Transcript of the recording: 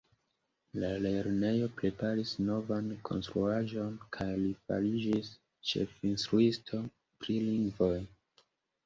La lernejo preparis novan konstruaĵon kaj li fariĝis ĉefinstruisto pri lingvoj.